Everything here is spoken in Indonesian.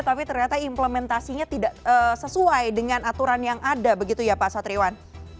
tapi ternyata implementasinya tidak sesuai dengan aturan yang ada begitu ya pak satriwan